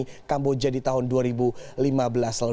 di kamboja di tahun dua ribu lima belas lalu